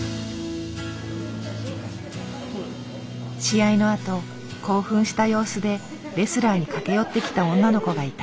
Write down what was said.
試合のあと興奮した様子でレスラーに駆け寄ってきた女の子がいた。